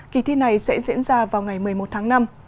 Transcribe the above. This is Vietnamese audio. kỳ thi này sẽ diễn ra vào ngày một mươi một tháng năm